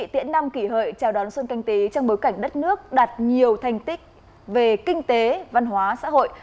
tiễn năm kỷ hợi chào đón xuân canh tí trong bối cảnh đất nước đạt nhiều thành tích về kinh tế văn hóa xã hội